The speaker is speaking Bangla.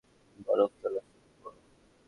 বরফ তোলা শুরু করো।